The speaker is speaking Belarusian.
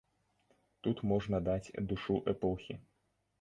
Тут можна даць душу эпохі.